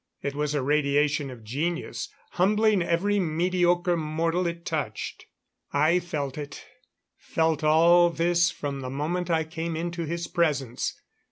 It was a radiation of genius, humbling every mediocre mortal it touched. I felt it felt all this from the moment I came into his presence.